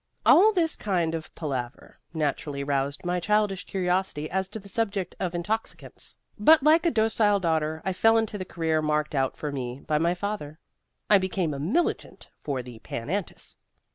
"All this kind of palaver naturally roused my childish curiosity as to the subject of intoxicants. But, like a docile daughter, I fell into the career marked out for me by my father. I became a militant for the Pan Antis.